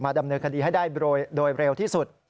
ดำเนินคดีให้ได้โดยเร็วที่สุด